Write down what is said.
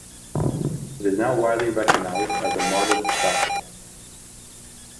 It is now widely recognized as a "modern classic".